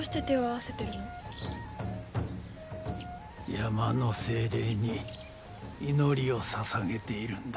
山の精霊に祈りをささげているんだ。